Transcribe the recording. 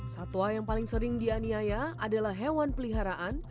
satwa yang paling sering dianiaya adalah hewan peliharaan